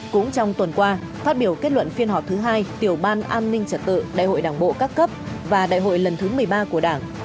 cũng trong tuần qua phát biểu kết luận phiên họp thứ hai tiểu ban an ninh trật tự đại hội đảng bộ các cấp và đại hội lần thứ một mươi ba của đảng